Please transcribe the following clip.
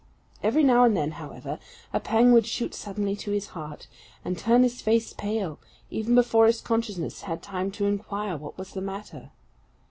Every now and then, however, a pang would shoot suddenly to his heart, and turn his face pale, even before his consciousness had time to inquire what was the matter.